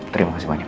terima kasih banyak